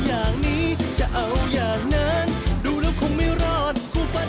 ไว้เรามาดูกันอีกนะ